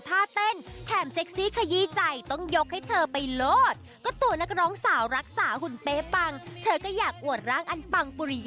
ไปติดตามกันได้เลยค่ะ